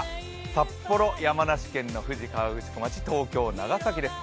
札幌、山梨県の富士河口湖町東京、長崎です。